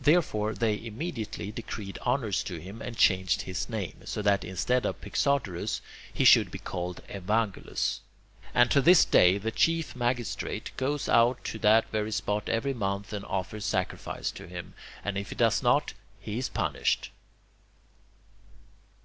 Therefore they immediately decreed honours to him and changed his name, so that instead of Pixodorus he should be called Evangelus. And to this day the chief magistrate goes out to that very spot every month and offers sacrifice to him, and if he does not, he is punished.